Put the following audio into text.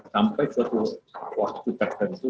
sampai suatu waktu tertentu